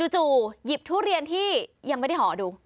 หยิบทุเรียนที่ยังไม่ได้ห่อดู